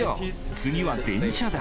次は電車だ。